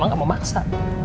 mama gak mau maksa